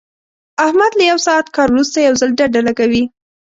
احمد له یو ساعت کار ورسته یو ځل ډډه لګوي.